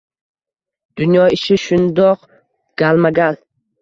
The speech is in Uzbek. Dunyo ishi shundoq… Galma-gal…